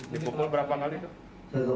dipukul berapa kali itu